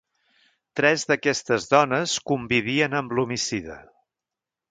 Tres d’aquestes dones convivien amb l’homicida.